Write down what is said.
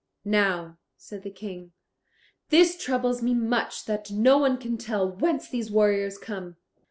"Now," said the King, "this troubles me much that no one can tell whence these warriors come."